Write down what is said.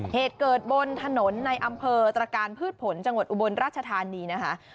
เหตุเกิดบนถนนในอำเภอตรการพืชผลจังหวัดอุบลราชธานีนะคะ